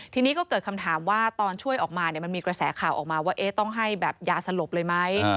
ทีนี้ก็เกิดคำถามว่าตอนช่วยออกมามันมีกระแสข่าวออกมาว่าต้องให้แบบยาสลบเลยไหม